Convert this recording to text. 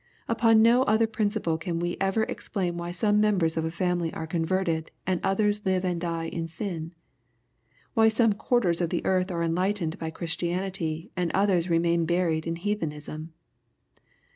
Upon no other principle can we ever explain why some members of a family are converted, and others live and die in sin, — ^why some quarters of the earth are enlightened by Christianity, and others remain buried in heathenism.